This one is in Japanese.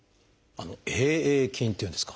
Ａ．ａ．菌っていうんですか。